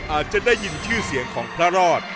อาจจะได้ยินชื่อเสียงของพระรอด